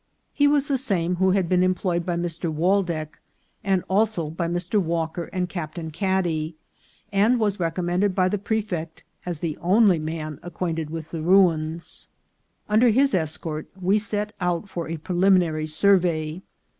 He was the same who had been employed by Mr. Waldeck, and also by Mr. Walker and Captain Caddy, and was recommended by the prefect as the only man acquaint ed with the ruins. Under his escort we set out for a preliminary survey.